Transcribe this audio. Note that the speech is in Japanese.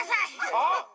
あっ！